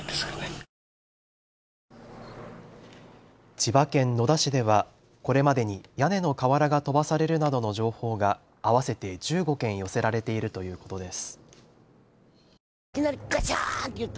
千葉県野田市では、これまでに屋根の瓦が飛ばされるなどの情報が合わせて１５件寄せられているということです。